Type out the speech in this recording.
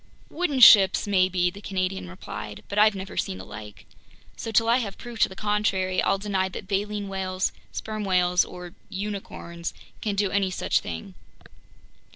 "Wooden ships maybe," the Canadian replied. "But I've never seen the like. So till I have proof to the contrary, I'll deny that baleen whales, sperm whales, or unicorns can do any such thing."